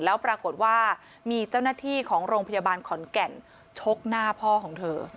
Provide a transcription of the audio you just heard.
แล้วปรากฏว่ามีเจ้าหน้าที่ของโรงพยาบาลขอนแก่นชกหน้าพ่อของเธอ